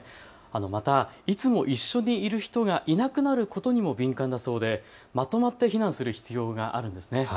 また、いつも一緒にいる人がいなくなることにも敏感なそうでまとまって避難する必要があるんですね。